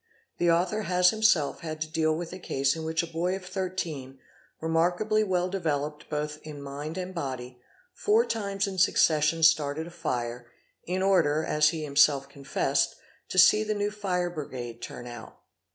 The author has himself had to deal with a case in which a boy of 13, remarkably well developed both in mind and body, four times in succession started a fire, in order, as he himself confessed, to see the new fire brigade turn out.